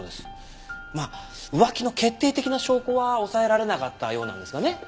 まあ浮気の決定的な証拠は押さえられなかったようなんですがね。